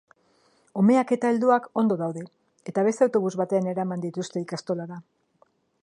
Umeak eta helduak ondo daude, eta beste autobus batean eraman dituzte ikastolara.